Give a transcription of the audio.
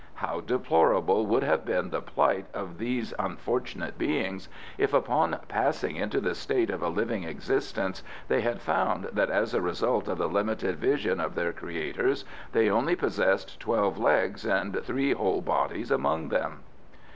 How deplorable would have been the plight of these unfortunate beings, if upon passing into the state of a living existence they had found that as a result of the limited vision of their creator they only possessed twelve legs and three whole bodies among them."